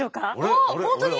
あっ本当に？